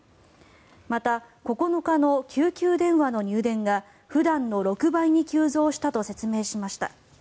また９日の救急電話の入電が普段の６倍に急増したと説明しました。